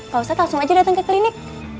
pak ustadz langsung aja datang ke klinik